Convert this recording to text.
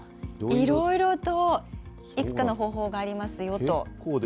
いろいろといくつかの方法がありますよと。